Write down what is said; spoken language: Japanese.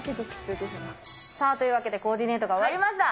さあ、というわけで、コーディネートが終わりました。